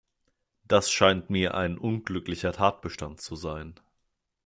Das scheint mir ein unglücklicher Tatbestand zu sein.